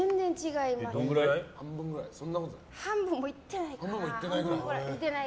半分もいってないかな。